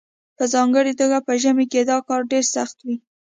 په ځانګړې توګه په ژمي کې دا کار ډیر سخت وي